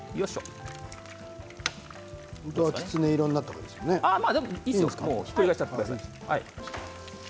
本当はきつね色になった方がいいですよひっくり返しちゃってください。